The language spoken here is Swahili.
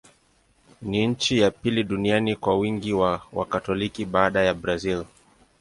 Ni nchi ya pili duniani kwa wingi wa Wakatoliki, baada ya Brazil.